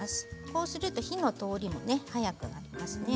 こうすると火の通りも早くなりますね。